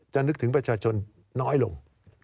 นึกถึงประชาชนน้อยลง